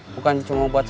bukan cuma obatnya